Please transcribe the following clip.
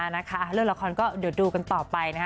นะคะเรื่องละครก็เดี๋ยวดูกันต่อไปนะคะ